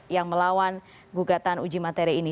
yang melawan gugatan uji materi ini